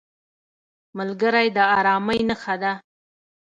ملګری د ارامۍ نښه ده